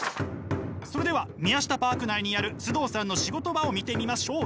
それではミヤシタパーク内にある須藤さんの仕事場を見てみましょう。